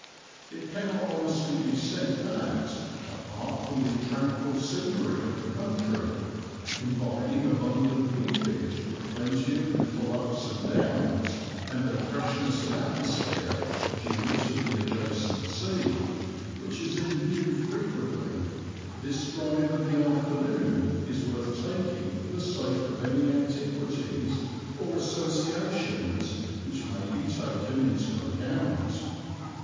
It cannot honestly be said that, apart from the tranquil scenery of the country, combining abundant leafage with plenty of little ups and downs and a freshness of atmosphere due to the adjacent sea, which is in view frequently, this drive of the afternoon is worth taking for the sake of any antiquities or associations which may be taken into account.